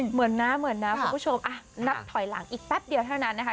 เหมือนนะคุณผู้ชมนับถอยหลังอีกแป๊บเดียวเท่านั้นนะคะ